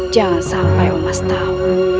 jangan sampai omas tahu